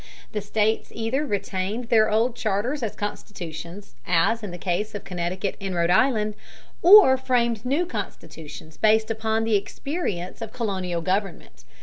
The states either retained their old charters as constitutions, as in the case of Connecticut and Rhode Island, or framed new constitutions based upon the experience of colonial government.